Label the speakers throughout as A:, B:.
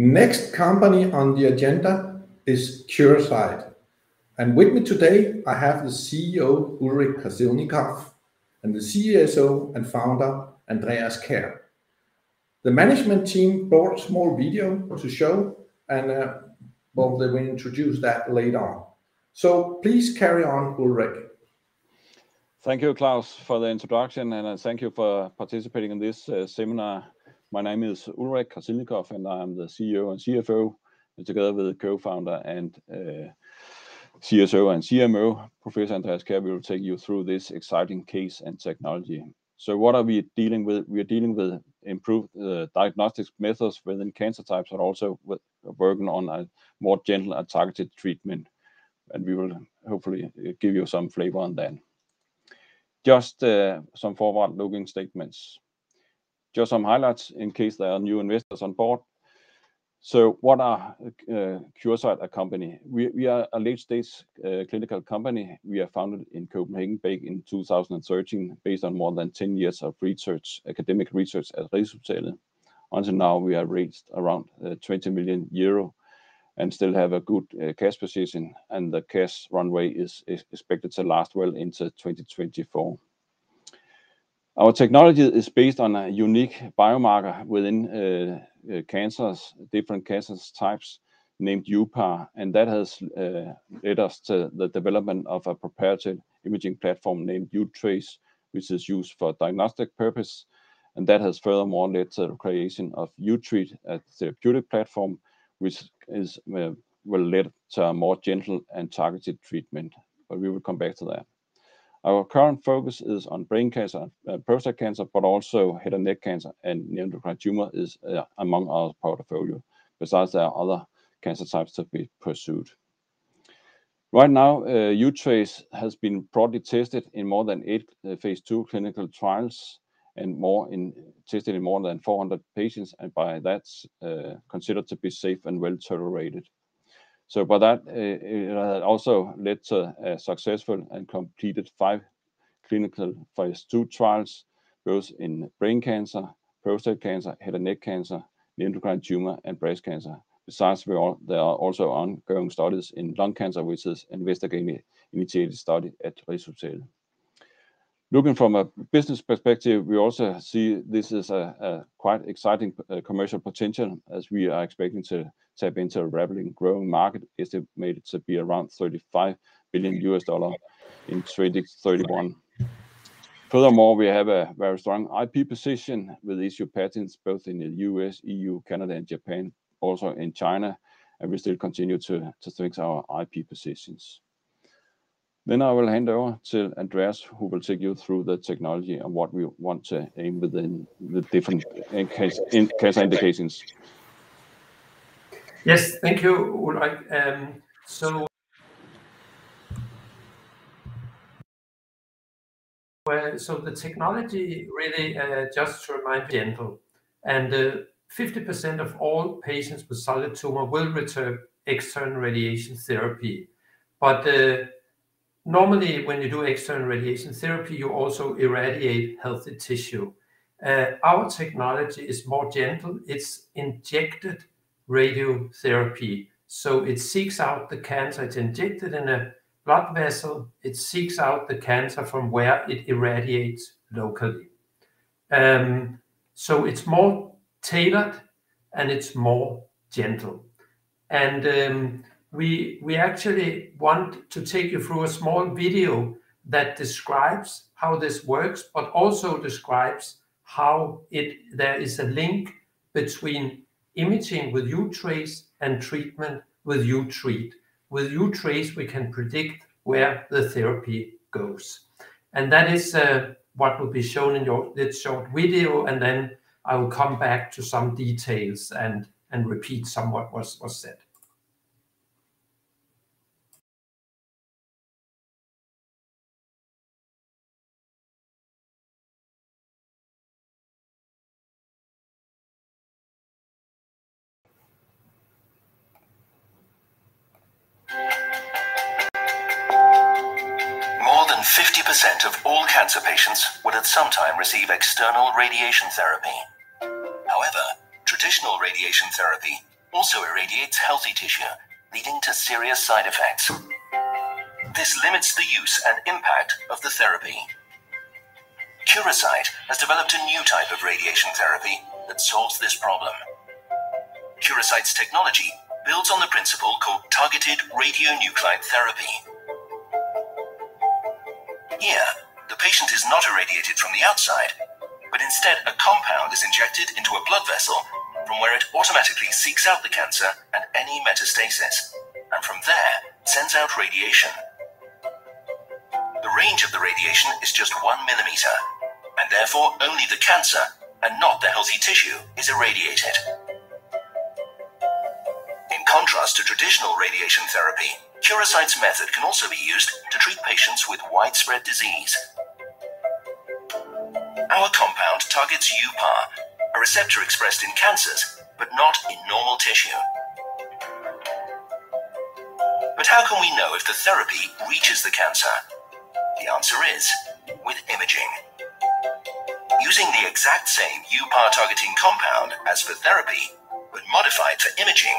A: Next company on the agenda is Curasight. With me today, I have the CEO, Ulrich Krasilnikoff, and the CSO and founder, Andreas Kjær. The management team brought a small video to show, and well, they will introduce that later on. So please carry on, Ulrich.
B: Thank you, Claus, for the introduction, and thank you for participating in this seminar. My name is Ulrich Krasilnikoff, and I'm the CEO and CFO, and together with the co-founder and CSO and CMO, Professor Andreas Kjær, we will take you through this exciting case and technology. So what are we dealing with? We are dealing with improved diagnostics methods within cancer types, but also with working on a more gentle and targeted treatment, and we will hopefully give you some flavor on that. Just some forward-looking statements. Just some highlights in case there are new investors on board. So what are Curasight a company? We are a late-stage clinical company. We are founded in Copenhagen back in 2013, based on more than 10 years of research, academic research at Rigshospitalet. Until now, we have raised around 20 million euro and still have a good cash position, and the cash runway is expected to last well into 2024. Our technology is based on a unique biomarker within cancers, different cancer types, named uPAR, and that has led us to the development of a proprietary imaging platform named uTRACE, which is used for diagnostic purpose, and that has furthermore led to the creation of uTREAT, a therapeutic platform, which will lead to a more gentle and targeted treatment, but we will come back to that. Our current focus is on brain cancer and prostate cancer, but also head and neck cancer and neuroendocrine tumor is among our portfolio. Besides, there are other cancer types to be pursued. Right now, uTRACE® has been broadly tested in more than eight phase II clinical trials and tested in more than 400 patients, and by that, considered to be safe and well-tolerated. So by that, it also led to a successful and completed five clinical phase II trials, both in brain cancer, prostate cancer, head and neck cancer, neuroendocrine tumor, and breast cancer. Besides, there are also ongoing studies in lung cancer, which is investigator-initiated study at Rigshospitalet. Looking from a business perspective, we also see this is a quite exciting commercial potential as we are expecting to tap into a rapidly growing market, estimated to be around $35 billion in 2031. Furthermore, we have a very strong IP position with issued patents both in the U.S., E.U., Canada, and Japan, also in China, and we still continue to strengthen our IP positions. Then I will hand over to Andreas, who will take you through the technology and what we want to aim within the different indications.
C: Yes. Thank you, Ulrich. Well, so the technology really just to remind, gentle, and, 50% of all patients with solid tumor will return external radiation therapy. But normally, when you do external radiation therapy, you also irradiate healthy tissue. Our technology is more gentle. It's injected radiotherapy. So it seeks out the cancer. It's injected in a blood vessel. It seeks out the cancer from where it irradiates locally. So it's more tailored, and it's more gentle. And we actually want to take you through a small video that describes how this works, but also describes how it, there is a link between imaging with uTRACE and treatment with uTREAT. With uTRACE®, we can predict where the therapy goes, and that is what will be shown in this short video, and then I will come back to some details and repeat somewhat what was said.
D: More than 50% of all cancer patients will at some time receive external radiation therapy. However, traditional radiation therapy also irradiates healthy tissue, leading to serious side effects. This limits the use and impact of the therapy. Curasight has developed a new type of radiation therapy that solves this problem. Curasight's technology builds on the principle called targeted radionuclide therapy. Here, the patient is not irradiated from the outside, but instead, a compound is injected into a blood vessel from where it automatically seeks out the cancer and any metastasis, and from there, sends out radiation. The range of the radiation is just 1 millimeter, and therefore, only the cancer and not the healthy tissue is irradiated. In contrast to traditional radiation therapy, Curasight's method can also be used to treat patients with widespread disease. Our compound targets uPAR, a receptor expressed in cancers but not in normal tissue.... But how can we know if the therapy reaches the cancer? The answer is with imaging. Using the exact same uPAR targeting compound as for therapy, but modified for imaging,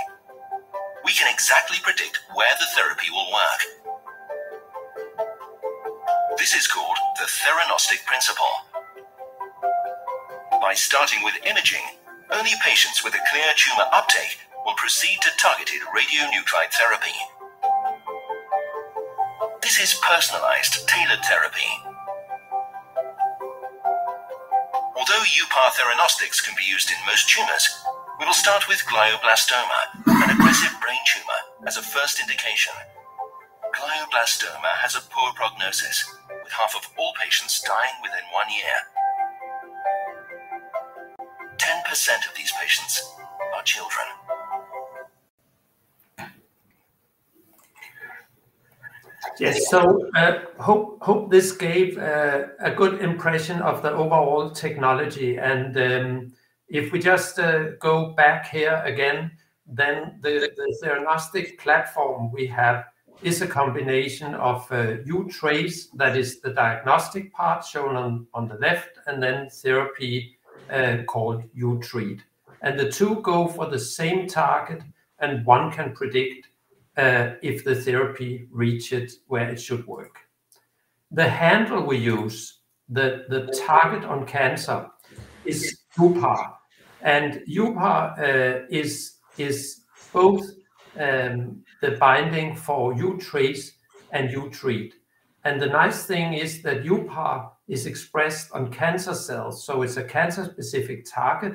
D: we can exactly predict where the therapy will work. This is called the theranostic principle. By starting with imaging, only patients with a clear tumor uptake will proceed to targeted radionuclide therapy. This is personalized tailored therapy. Although uPAR theranostics can be used in most tumors, we will start with glioblastoma, an aggressive brain tumor, as a first indication. Glioblastoma has a poor prognosis, with half of all patients dying within one year. 10% of these patients are children.
C: Yes, so, hope this gave a good impression of the overall technology. And if we just go back here again, then the theranostics platform we have is a combination of uTRACE, that is the diagnostic part shown on the left, and then therapy called uTREAT. And the two go for the same target, and one can predict if the therapy reaches where it should work. The handle we use, the target on cancer is uPAR, and uPAR is both the binding for uTRACE and uTREAT. And the nice thing is that uPAR is expressed on cancer cells, so it's a cancer-specific target,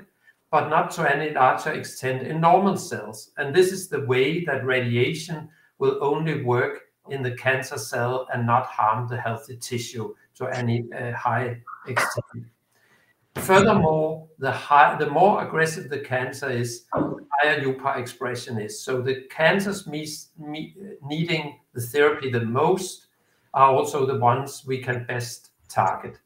C: but not to any larger extent in normal cells. And this is the way that radiation will only work in the cancer cell and not harm the healthy tissue to any high extent. Furthermore, the more aggressive the cancer is, the higher uPAR expression is. So the cancers most needing the therapy the most are also the ones we can best target.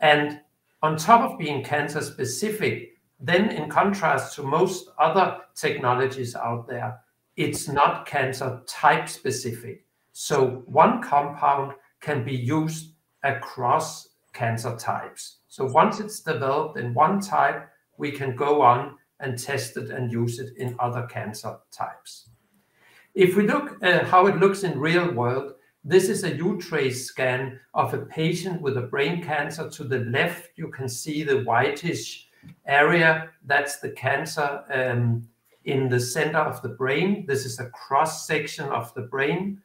C: And on top of being cancer specific, then in contrast to most other technologies out there, it's not cancer type specific. So one compound can be used across cancer types. So once it's developed in one type, we can go on and test it and use it in other cancer types. If we look at how it looks in real world, this is a uTRACE scan of a patient with a brain cancer. To the left, you can see the whitish area. That's the cancer in the center of the brain. This is a cross section of the brain.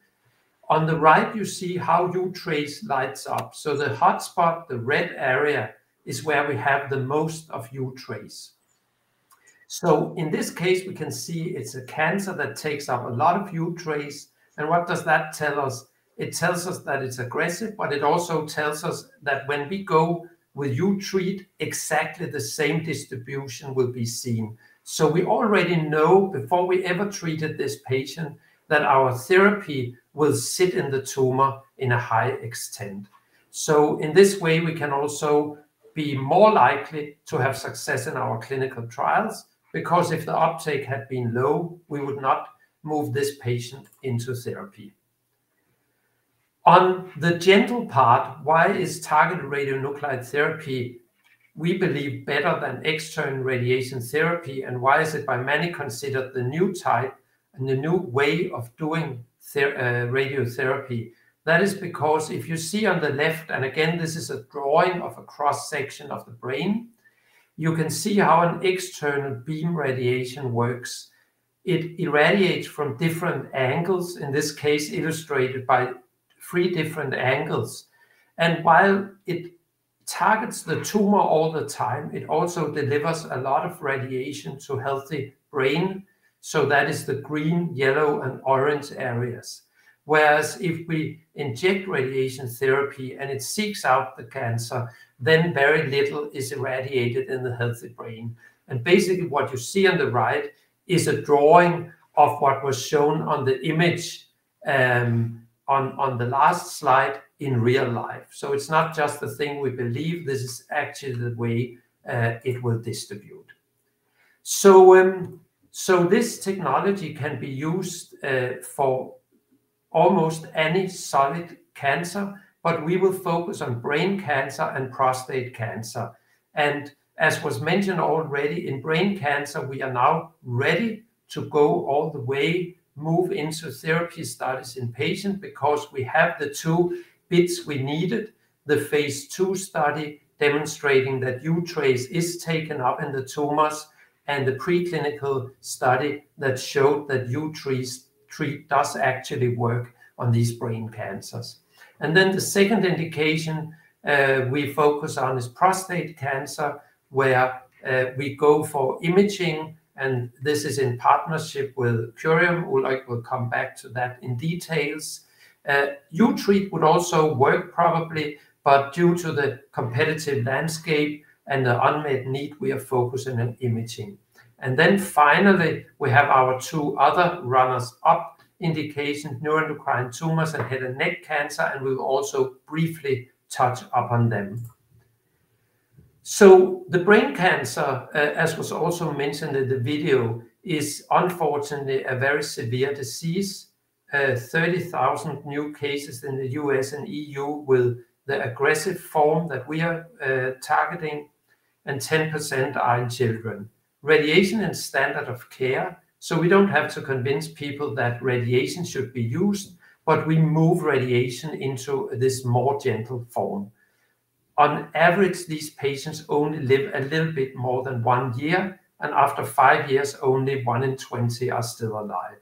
C: On the right, you see how uTRACE lights up. So the hotspot, the red area, is where we have the most of uTRACE. So in this case, we can see it's a cancer that takes up a lot of uTRACE. And what does that tell us? It tells us that it's aggressive, but it also tells us that when we go with uTREAT, exactly the same distribution will be seen. So we already know before we ever treated this patient, that our therapy will sit in the tumor in a high extent. So in this way, we can also be more likely to have success in our clinical trials, because if the uptake had been low, we would not move this patient into therapy. On the theranostics part, why is targeted radionuclide therapy, we believe, better than external radiation therapy? And why is it by many considered the new type and the new way of doing radiotherapy? That is because if you see on the left, and again, this is a drawing of a cross section of the brain, you can see how an external beam radiation works. It irradiates from different angles, in this case, illustrated by three different angles. And while it targets the tumor all the time, it also delivers a lot of radiation to healthy brain. So that is the green, yellow, and orange areas. Whereas if we inject radiation therapy and it seeks out the cancer, then very little is irradiated in the healthy brain. And basically, what you see on the right is a drawing of what was shown on the image, on the last slide in real life. So it's not just the thing we believe, this is actually the way it will distribute. This technology can be used for almost any solid cancer, but we will focus on brain cancer and prostate cancer. As was mentioned already in brain cancer, we are now ready to go all the way, move into therapy status in patient, because we have the two bits we needed. The phase II study demonstrating that uTRACE is taken up in the tumors, and the preclinical study that showed that uTREAT does actually work on these brain cancers. Then the second indication we focus on is prostate cancer, where we go for imaging, and this is in partnership with Curium, who I will come back to that in details. uTREAT would also work probably, but due to the competitive landscape and the unmet need, we are focusing on imaging. Then finally, we have our two other runner-up indications, neuroendocrine tumors and head and neck cancer, and we will also briefly touch upon them... So the brain cancer, as was also mentioned in the video, is unfortunately a very severe disease. 30,000 new cases in the U.S. and E.U. with the aggressive form that we are targeting, and 10% are in children. Radiation is standard of care, so we don't have to convince people that radiation should be used, but we move radiation into this more gentle form. On average, these patients only live a little bit more than one year, and after five years, only one in 20 are still alive.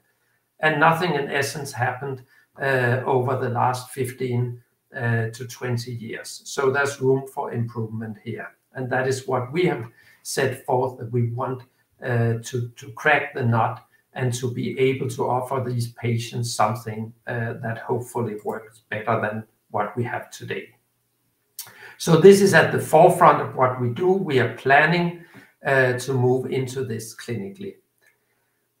C: Nothing, in essence, happened over the last 15-20 years. So there's room for improvement here, and that is what we have set forth, that we want to crack the nut and to be able to offer these patients something that hopefully works better than what we have today. So this is at the forefront of what we do. We are planning to move into this clinically.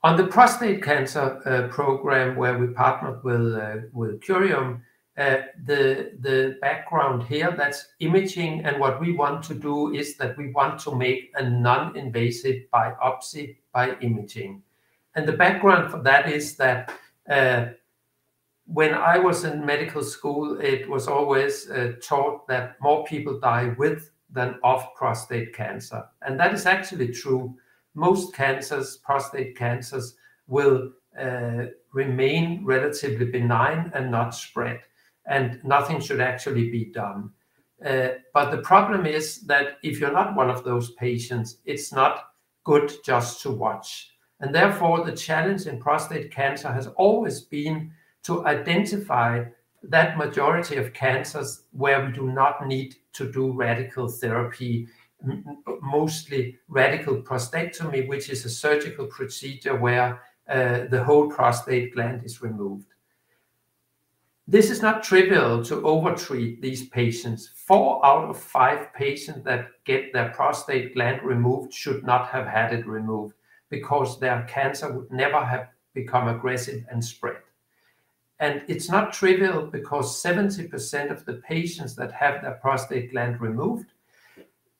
C: On the prostate cancer program, where we partnered with Curium, the background here, that's imaging, and what we want to do is that we want to make a non-invasive biopsy by imaging. And the background for that is that when I was in medical school, it was always taught that more people die with than of prostate cancer, and that is actually true. Most cancers, prostate cancers, will remain relatively benign and not spread, and nothing should actually be done. But the problem is that if you're not one of those patients, it's not good just to watch. And therefore, the challenge in prostate cancer has always been to identify that majority of cancers where we do not need to do radical therapy, mostly radical prostatectomy, which is a surgical procedure where the whole prostate gland is removed. This is not trivial to over-treat these patients. Four out of five patients that get their prostate gland removed should not have had it removed, because their cancer would never have become aggressive and spread. And it's not trivial, because 70% of the patients that have their prostate gland removed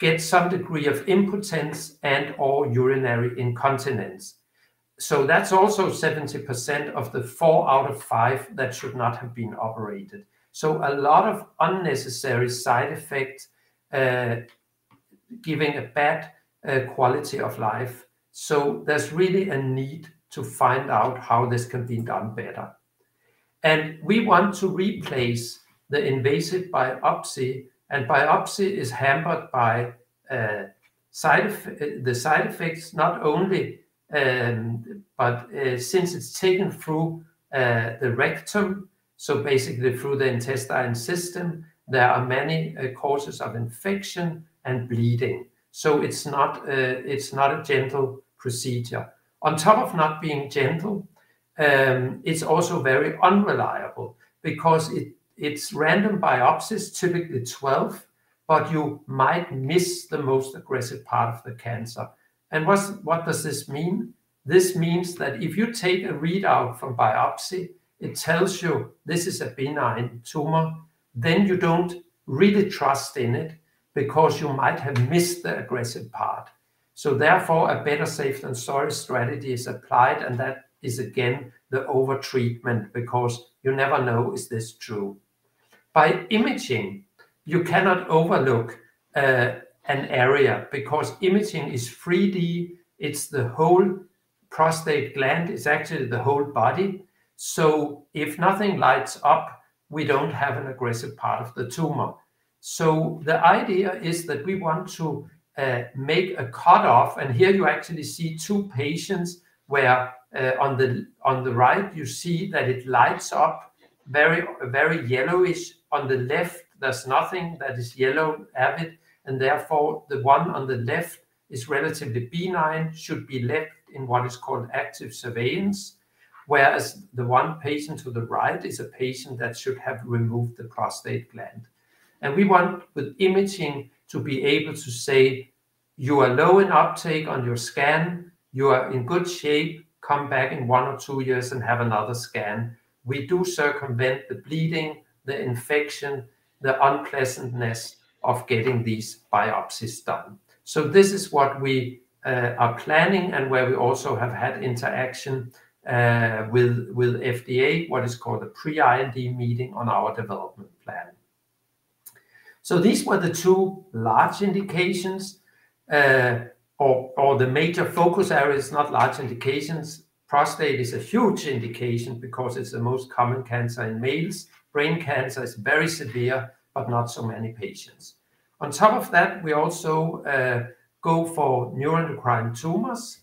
C: get some degree of impotence and/or urinary incontinence. So that's also 70% of the four out of five that should not have been operated. A lot of unnecessary side effects, giving a bad quality of life. There's really a need to find out how this can be done better. And we want to replace the invasive biopsy, and biopsy is hampered by side effects, not only, but since it's taken through the rectum, so basically through the intestine system, there are many causes of infection and bleeding. It's not a gentle procedure. On top of not being gentle, it's also very unreliable because it's random biopsies, typically 12, but you might miss the most aggressive part of the cancer. And what does this mean? This means that if you take a readout from biopsy, it tells you this is a benign tumor, then you don't really trust in it, because you might have missed the aggressive part. So therefore, a better safe than sorry strategy is applied, and that is, again, the over-treatment, because you never know, is this true? By imaging, you cannot overlook an area, because imaging is 3D. It's the whole prostate gland. It's actually the whole body. So if nothing lights up, we don't have an aggressive part of the tumor. So the idea is that we want to make a cutoff, and here you actually see two patients where on the right, you see that it lights up very, very yellowish. On the left, there's nothing that is yellow avid, and therefore, the one on the left is relatively benign, should be left in what is called active surveillance, whereas the one patient to the right is a patient that should have removed the prostate gland. And we want, with imaging, to be able to say, "You are low in uptake on your scan. You are in good shape. Come back in one or two years and have another scan." We do circumvent the bleeding, the infection, the unpleasantness of getting these biopsies done. So this is what we are planning and where we also have had interaction with FDA, what is called a Pre-IND meeting on our development plan. So these were the two large indications, or the major focus areas, not large indications. Prostate is a huge indication because it's the most common cancer in males. Brain cancer is very severe, but not so many patients. On top of that, we also go for neuroendocrine tumors,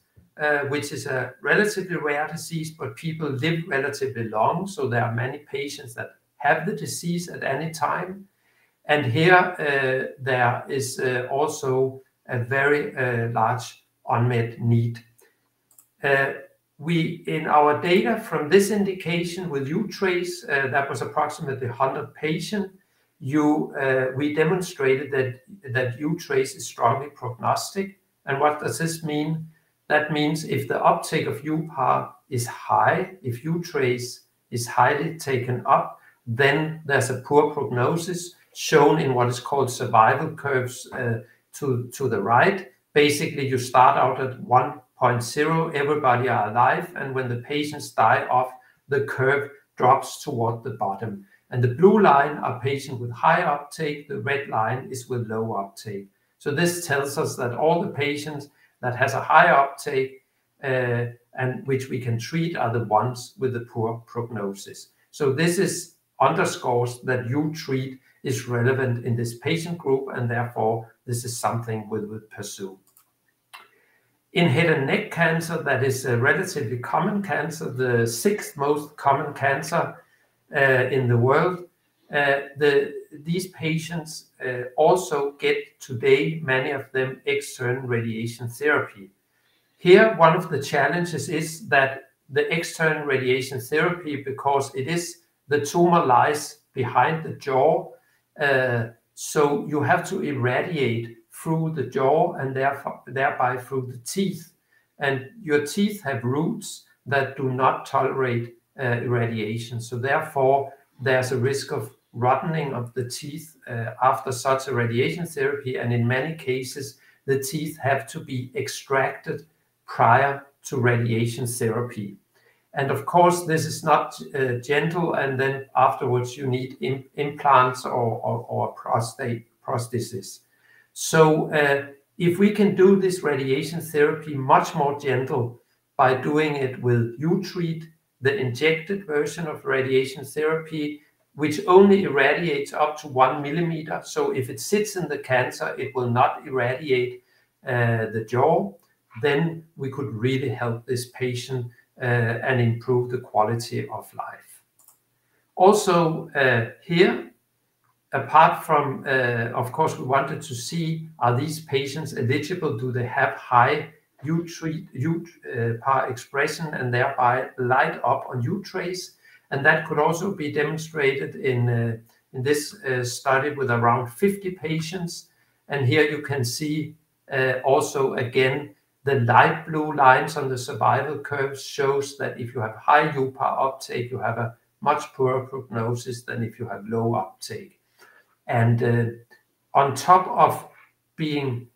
C: which is a relatively rare disease, but people live relatively long, so there are many patients that have the disease at any time. And here, there is also a very large unmet need. In our data from this indication with uTRACE, that was approximately 100 patient, we demonstrated that uTRACE is strongly prognostic. And what does this mean? That means if the uptake of uPAR is high, if uTRACE is highly taken up, then there's a poor prognosis shown in what is called survival curves, to the right. Basically, you start out at 1.0, everybody are alive, and when the patients die off, the curve drops toward the bottom. The blue line are patients with high uptake, the red line is with low uptake. So this tells us that all the patients that has a high uptake, and which we can treat, are the ones with the poor prognosis. So this underscores that uTREAT is relevant in this patient group, and therefore, this is something we would pursue. In head and neck cancer, that is a relatively common cancer, the sixth most common cancer, in the world. The, these patients, also get, today, many of them, external radiation therapy. Here, one of the challenges is that the external radiation therapy, because the tumor lies behind the jaw, so you have to irradiate through the jaw and therefore, thereby through the teeth, and your teeth have roots that do not tolerate irradiation. So therefore, there's a risk of rotting of the teeth after such a radiation therapy, and in many cases, the teeth have to be extracted prior to radiation therapy. And of course, this is not gentle, and then afterwards you need implants or dental prosthesis. So, if we can do this radiation therapy much more gentle by doing it with uTREAT®, the injected version of radiation therapy, which only irradiates up to one millimeter. So if it sits in the cancer, it will not irradiate the jaw, then we could really help this patient and improve the quality of life. Also, here, apart from... Of course, we wanted to see, are these patients eligible? Do they have high uTREAT®, uPAR expression, and thereby light up on uTRACE®? And that could also be demonstrated in this study with around 50 patients. And here you can see, also again, the light blue lines on the survival curve shows that if you have high uPAR uptake, you have a much poorer prognosis than if you have low uptake. On top of being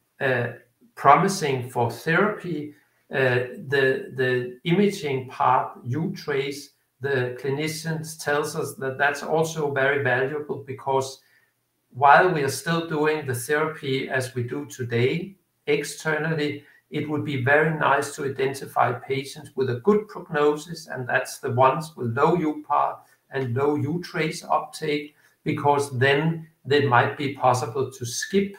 C: promising for therapy, the imaging part, uTRACE, the clinicians tells us that that's also very valuable, because while we are still doing the therapy as we do today, externally, it would be very nice to identify patients with a good prognosis, and that's the ones with low uPAR and low uTRACE uptake, because then it might be possible to skip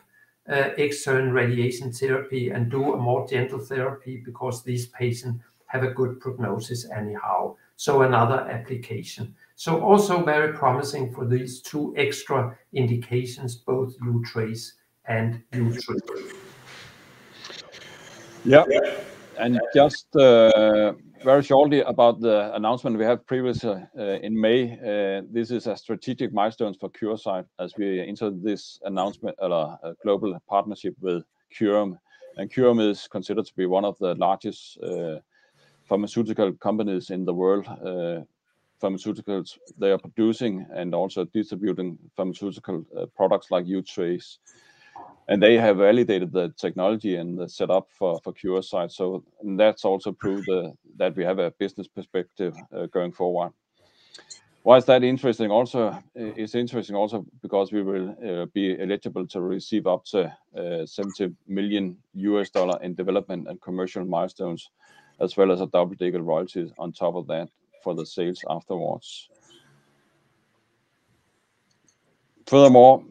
C: external radiation therapy and do a more gentle therapy, because these patients have a good prognosis anyhow. So another application. So also very promising for these two extra indications, both uTRACE and uTREAT.
B: Yeah, and just very shortly about the announcement we had previous in May. This is a strategic milestone for Curasight as we entered this announcement at a global partnership with Curium. And Curium is considered to be one of the largest pharmaceutical companies in the world. Pharmaceuticals, they are producing and also distributing pharmaceutical products like uTRACE®, and they have validated the technology and the setup for Curasight. So, and that's also proved that we have a business perspective going forward. Why is that interesting also? It's interesting also because we will be eligible to receive up to $70 million in development and commercial milestones, as well as double-digit royalties on top of that for the sales afterwards. Furthermore,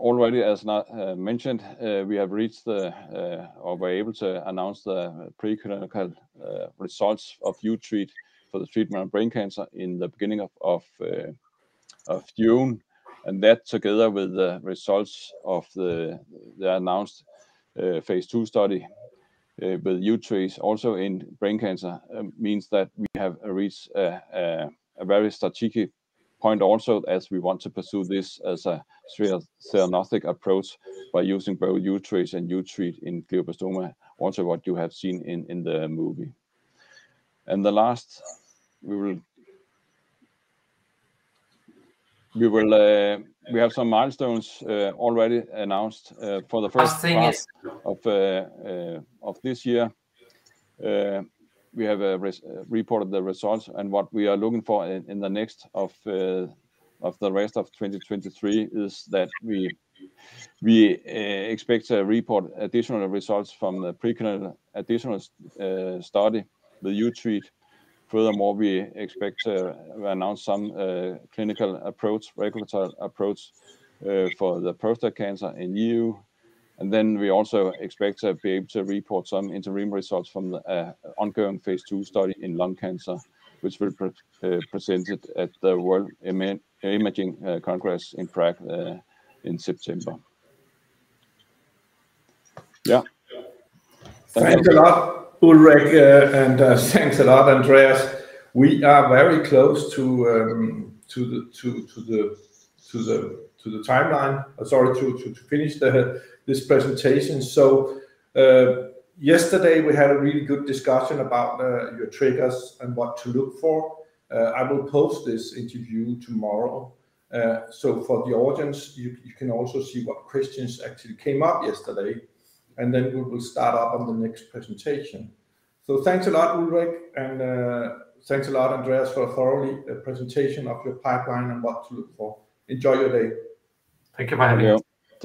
B: already, as I mentioned, we have reached the, or we're able to announce the preclinical results of uTREAT for the treatment of brain cancer in the beginning of June. And that, together with the results of the announced phase two study with uTRACE also in brain cancer, means that we have reached a very strategic point also, as we want to pursue this as a theranostic approach by using both uTRACE and uTREAT in glioblastoma, also what you have seen in the movie. And the last, we have some milestones already announced for the first part-
C: I think is-
B: of this year. We have re-reported the results, and what we are looking for in the next of the rest of 2023 is that we expect to report additional results from the preclinical additional study, the uTREAT. Furthermore, we expect to announce some clinical approach, regulatory approach for the prostate cancer in the E.U. And then we also expect to be able to report some interim results from the ongoing phase two study in lung cancer, which will be presented at the World Imaging Congress in Prague in September. Yeah.
A: Thanks a lot, Ulrich, and thanks a lot, Andreas. We are very close to the timeline, sorry, to finish this presentation. So, yesterday we had a really good discussion about your triggers and what to look for. I will post this interview tomorrow. So for the audience, you can also see what questions actually came up yesterday, and then we will start up on the next presentation. So thanks a lot, Ulrich, and thanks a lot, Andreas, for a thorough presentation of your pipeline and what to look for. Enjoy your day.
B: Thank you, bye.